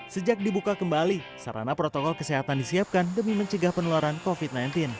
sejak dibuka kembali sarana protokol kesehatan disiapkan demi mencegah penularan covid sembilan belas